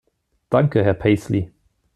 Danke, Herr Paisley!